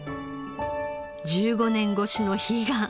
１５年越しの悲願。